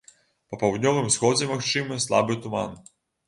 Па паўднёвым усходзе магчымы слабы туман.